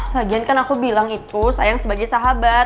lagian kan aku bilang itu sayang sebagai sahabat